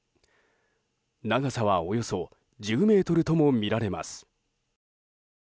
長さは、およそ１０ｍともみられます。